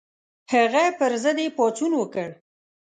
هغه پر ضد یې پاڅون وکړ.